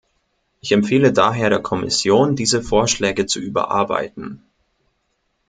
Ich empfehle daher der Kommission, diese Vorschläge zu überarbeiten.